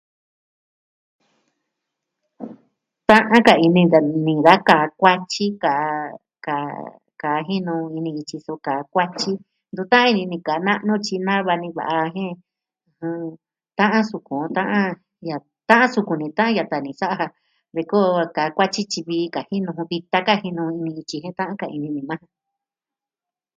Ta'an ka ini da... da kaa kuatyi ka... ka.. kua jinu ini ityi suu kaa kuatyi ntu ta'an ini ni kaa na'nu tyi nava ni va'a jen ta'an sukun, ta'an ya... ta'an sukun ni, ta'an yata ni sa'a ja de koo ka kuatyi tyi vii kaa jinu jun vitan kaa jinu ini ityi jen ta'an ka ini ni majan.